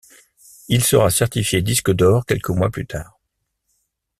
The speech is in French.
Il sera certifié disque d'or quelques mois plus tard.